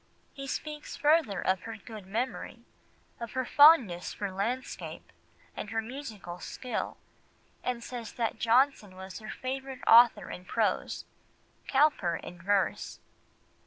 He speaks further of her good memory, of her fondness for landscape, and her musical skill, and says that Johnson was her favourite author in prose, Cowper in verse.